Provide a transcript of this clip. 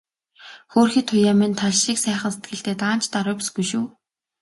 Хөөрхий Туяа минь тал шиг сайхан сэтгэлтэй, даанч даруу бүсгүй шүү.